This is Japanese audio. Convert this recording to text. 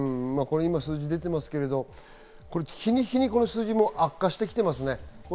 数字が出ていますけど、日に日にこの数字も悪化してきていますね。